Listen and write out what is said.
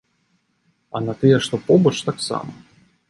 А на тыя, што побач, таксама.